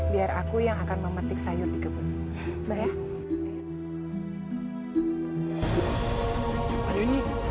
biar aku yang akan memetik sayur di kebun